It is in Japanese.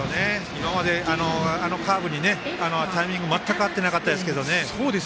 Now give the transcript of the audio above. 今まであのカーブにタイミング全く合ってなかったですけどね。